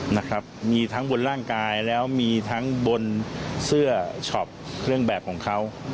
นะครับมีทั้งบนร่างกายแล้วมีทั้งบนเสื้อช็อปเครื่องแบบของเขา